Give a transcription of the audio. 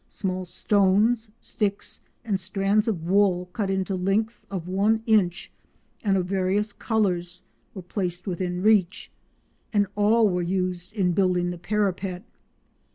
Small stones, sticks, and strands of wool cut into lengths of one inch and of various colours were placed within reach, and all were used in building the parapet.